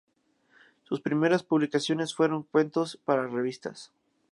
Sus primeras publicaciones fueron cuentos para revistas.